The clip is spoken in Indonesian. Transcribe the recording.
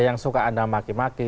yang suka anda maki maki